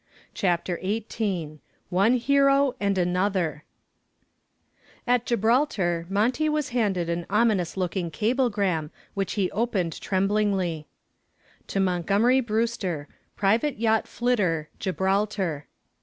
CHAPTER XIX ONE HERO AND ANOTHER At Gibraltar, Monty was handed an ominous looking cablegram which he opened tremblingly. To MONTGOMERY BREWSTER, Private Yacht Flitter, Gibraltar.